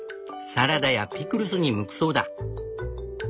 サラダやピクルスに向くそうだ。